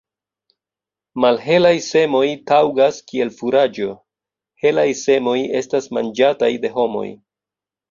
Malhelaj semoj taŭgas kiel furaĝo, helaj semoj estas manĝataj de homoj.